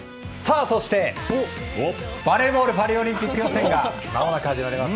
そして、バレーボールパリオリンピック予選がまもなく始まります。